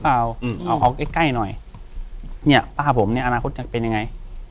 เอาเอาเอาใกล้ใกล้หน่อยเนี่ยป้าผมเนี่ยอนาคตจะเป็นยังไง